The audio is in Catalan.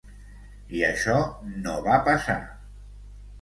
I això no va passar.